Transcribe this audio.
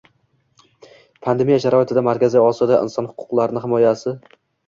Pandemiya sharoitida Markaziy Osiyoda inson huquqlari himoyasing